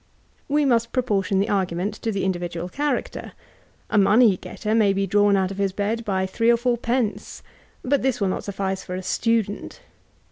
We must proportion the argument to the individual character. A money getter may be drawn out of his bed by three and four pence ; but this will not suffice for a student.